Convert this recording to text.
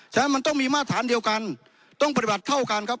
ฉะนั้นมันต้องมีมาตรฐานเดียวกันต้องปฏิบัติเท่ากันครับ